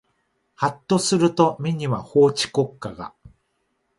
はっとすると目には法治国家が